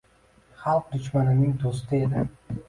Xalq dushmanining do‘sti edi.